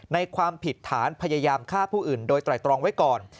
ความผิดฐานพยายามฆ่าผู้อื่นโดยไตรตรองไว้ก่อน